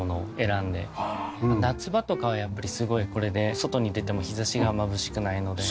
夏場とかはやっぱりすごいこれで外に出ても日差しがまぶしくないので。